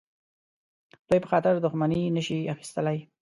دوی په خاطر دښمني نه شي اخیستلای.